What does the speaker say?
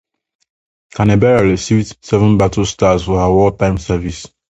"Canberra" received seven battle stars for her wartime service.